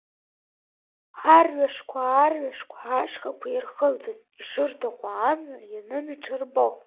Арҩашқәа, арҩашқәа, ашьхақәа ирхылҵыз, ишырҭаху амҩа ианым иҽырбо.